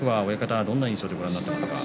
どんなふうにご覧になっていますか？